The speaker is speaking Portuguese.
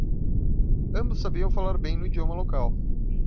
Ambos sabiam falar bem no idioma local.